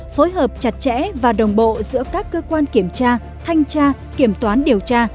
phối hợp chặt chẽ và đồng bộ giữa các cơ quan kiểm tra thanh tra kiểm toán điều tra